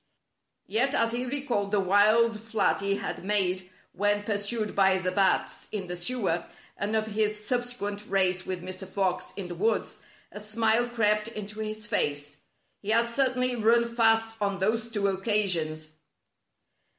Yet, as he recalled the wild flight he had made when pursued by the bats in the sewer, and of his subsequent race with Mr. Fox in the woods, a smile crept into his face. He had certainly run fast on those two occasions.